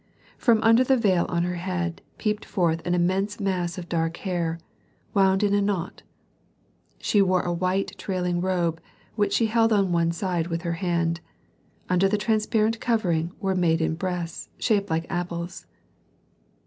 From under the veil on her head peeped forth an immense mass of dark hair, wound in a knot. She wore a white trailing robe which she held on one side with her hand; under the transparent covering were maiden breasts shaped like apples.